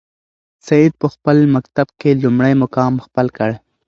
سعید په خپل مکتب کې لومړی مقام خپل کړ.